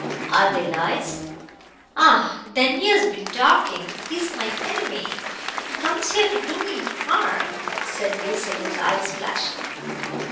"Are they lies?" "Ah, then, he has been talking. He is my enemy. He comes here to do me harm," said Basil, his eyes flashing.